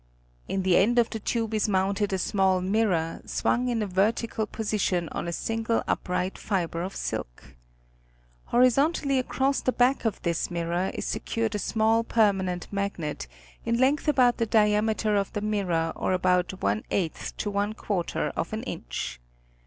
In. the end of the tube is mounted a small mirror, swung in a vertical position on a single upright fibre of silk. Horizontally across the back of this mirror is secured a small permanent magnet, in length about the diameter of the mirror or about one eighth to one quarter of an inch.